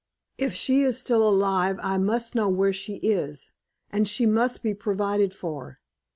If she is still alive, I must know where she is, and she must be provided for.